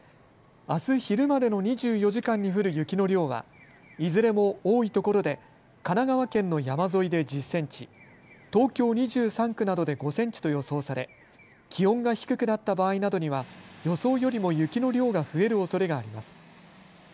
あす昼までの２４時間に降る雪の量はいずれも多いところで神奈川県の山沿いで１０センチ、東京２３区などで５センチと予想され気温が低くなった場合などには予想よりも雪の量が増えるおそれがあります。